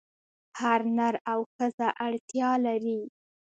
هر نر او ښځه اړتیا لري.